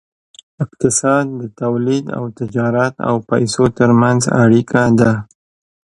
اقتصاد د تولید او تجارت او پیسو ترمنځ اړیکه ده.